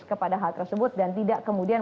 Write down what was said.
kepada hal tersebut dan tidak kemudian